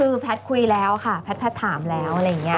คือแพ็ดคุยแล้วค่ะแพ็ดถามแล้วอะไรอย่างเงี้ย